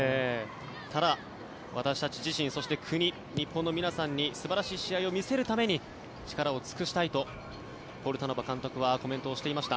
ただ、私たち自身そして国、日本の皆さんに素晴らしい試合を見せるために力を尽くしたいとポルタノバ監督はコメントをしていました。